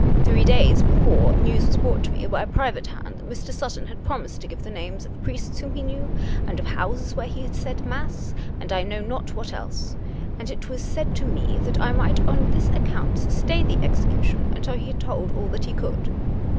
Three days before news was brought to me by a private hand that Mr. Sutton had promised to give the names of priests whom he knew, and of houses where he had said mass, and I know not what else; and it was said to me that I might on this account stay the execution until he had told all that he could.